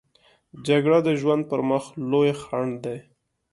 جګړه د ژوند پر مخ لوی خنډ دی